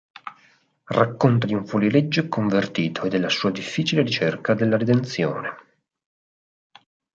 Racconta di un fuorilegge convertito e della sua difficile ricerca della redenzione.